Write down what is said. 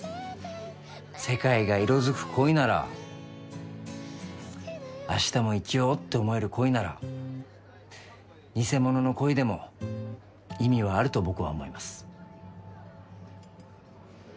世界が色づく恋なら明日も生きようって思える恋ならニセモノの恋でも意味はあると僕は思います